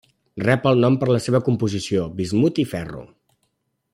Rep el nom per la seva composició: bismut i ferro.